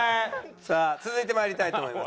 さあ続いて参りたいと思います。